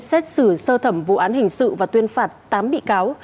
xét xử sơ thẩm vụ án hình sự và tuyên phạt tám bị cáo